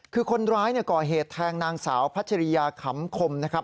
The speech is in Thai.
คือคนร้ายก่อเหตุแทงนางสาวพัชริยาขำคมนะครับ